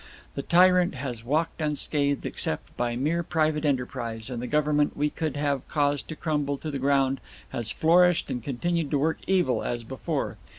The tyrant has walked unscathed except by mere private enterprise, and the government we could have caused to crumble to the ground has flourished and continued to work evil as before.